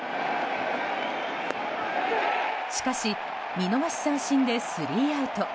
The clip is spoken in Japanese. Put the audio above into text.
しかし見逃し三振でスリーアウト。